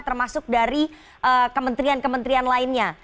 termasuk dari kementerian kementerian lainnya